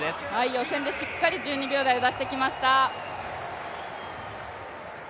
予選でしっかり１２秒台を出してきました。